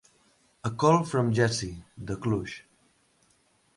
"A Call From Jersey" de Kluge.